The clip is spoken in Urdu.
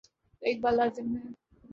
تو ایک بات لازم ہے۔